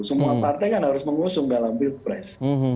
semua partai kan harus mengusung dalam pilpres